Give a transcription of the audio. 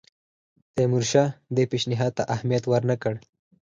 تیمورشاه دې پېشنهاد ته اهمیت ورنه کړ.